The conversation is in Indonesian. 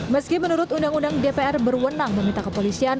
meski menurut undang undang dpr berwenang meminta kepolisian